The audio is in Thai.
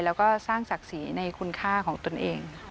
แล้วก็สร้างศักดิ์ศรีในคุณค่าของตนเอง